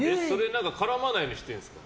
絡まないようにしてるんですか？